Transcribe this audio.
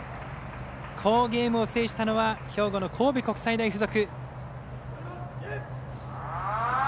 好ゲームを制したのは兵庫の神戸国際大付属。